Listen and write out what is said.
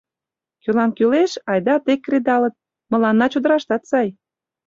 Кӧлан кӱлеш, айда тек кредалыт, мыланна чодыраштат сай...